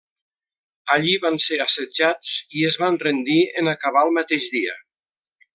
Allí van ser assetjats i es van rendir en acabar el mateix dia.